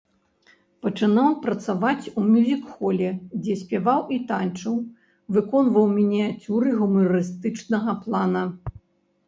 Пачынаў працаваць у мюзік-холе, дзе спяваў і танчыў, выконваў мініяцюры гумарыстычнага плана.